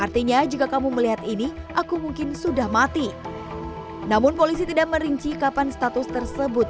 artinya jika kamu melihat ini aku mungkin sudah mati namun polisi tidak merinci kapan status tersebut